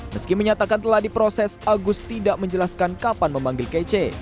meski menyatakan telah diproses agus tidak menjelaskan kapan memanggil kece